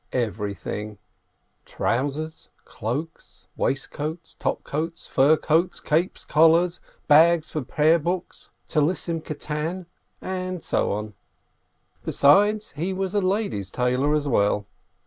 everything: trousers, cloaks, waistcoats, top coats, fur coats, capes, collars, bags for prayer books, "little prayer scarfs," and so on. Besides, he was a ladies' tailor as well.